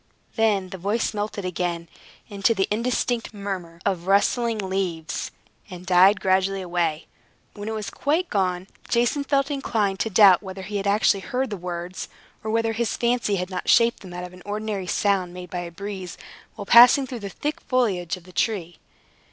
Then the voice melted again into the indistinct murmur of the rustling leaves, and died gradually away. When it was quite gone, Jason felt inclined to doubt whether he had actually heard the words, or whether his fancy had not shaped them out of the ordinary sound made by a breeze, while passing through the thick foliage of the tree.